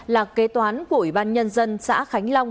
là kế toán của ủy ban nhân dân xã khánh long